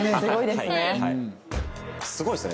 すごいですね。